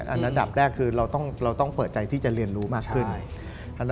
อันดับแรกคือเราต้องเปิดใจที่จะเรียนรู้มากขึ้น